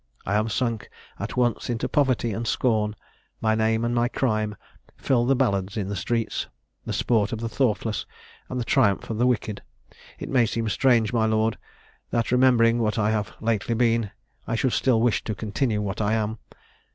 I am sunk at once into poverty and scorn; my name and my crime fill the ballads in the streets; the sport of the thoughtless, and the triumph of the wicked! It may seem strange, my lord, that, remembering what I have lately been, I should still wish to continue what I am!